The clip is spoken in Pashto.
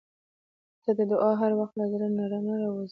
• ته د دعا هر وخت له زړه نه راووځې.